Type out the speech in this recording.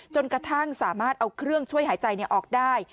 จนกระทั่งสามารถเอาเครื่องช่วยหายใจออกได้